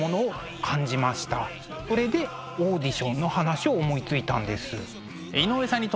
それでオーディションの話を思いついたんです。